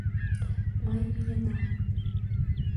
Мый миенам...